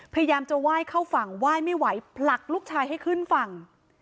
พยายามจะไหว้เข้าฝั่งไหว้ไม่ไหวผลักลูกชายให้ขึ้นฝั่ง